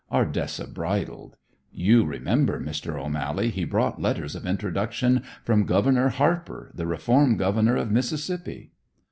Ardessa bridled. "You remember, Mr. O'Mally, he brought letters of introduction from Governor Harper, the reform Governor of Mississippi."